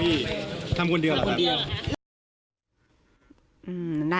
พี่เอกทำคนเดียวหรรับ